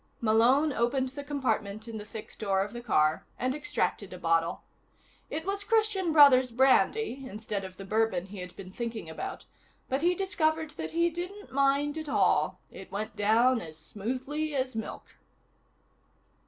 Malone opened the compartment in the thick door of the car and extracted a bottle. It was Christian Brothers Brandy instead of the bourbon he had been thinking about, but he discovered that he didn't mind at all. It went down as smoothly as milk.